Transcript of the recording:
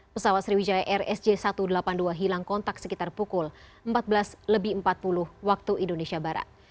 pesawat sriwijaya rsj satu ratus delapan puluh dua hilang kontak sekitar pukul empat belas lebih empat puluh waktu indonesia barat